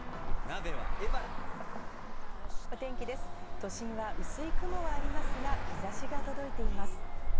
都心は薄い雲はありますが、日差しが届いています。